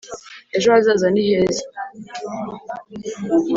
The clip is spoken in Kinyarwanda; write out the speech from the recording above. ejo hazaza ni heza.